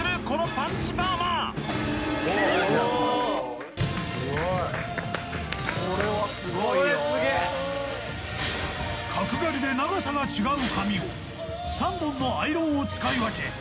これスゲえ角刈りで長さが違う髪を３本のアイロンを使い分け